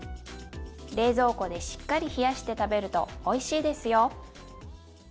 冷蔵庫でしっかり冷やして食べるとおいしいですよ。